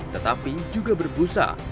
tetapi juga berbusa